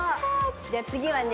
じゃあ次はね